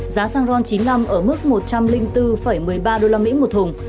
giá xăng ron chín mươi năm ở mức một trăm linh bốn một mươi ba usd một thùng